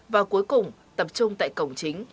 và cuối cùng tập trung tại cổng chính